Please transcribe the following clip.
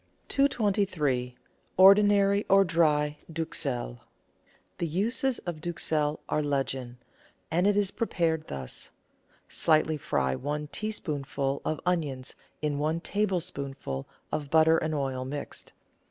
223— ORDINARY OR DRY DUXELLE The uses of Duxelle are legion, and it is prepared thus: — Slightly fry one teaspoonful of onions in one tablespoonful of butter and oil mixed.